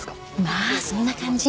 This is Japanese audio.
まあそんな感じ。